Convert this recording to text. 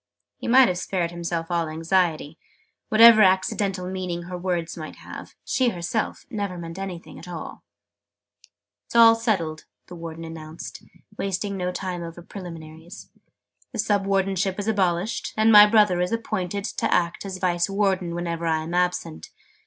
He might have spared himself all anxiety: whatever accidental meaning her words might have, she herself never meant anything at all. "It is all settled!" the Warden announced, wasting no time over preliminaries. "The Sub Wardenship is abolished, and my brother is appointed to act as Vice Warden whenever I am absent.